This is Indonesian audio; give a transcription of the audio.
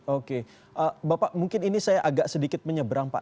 oke bapak mungkin ini saya agak sedikit menyeberang pak